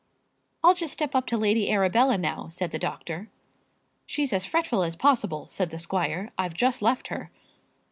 "I'll just step up to Lady Arabella now," said the doctor. "She's as fretful as possible," said the squire. "I've just left her."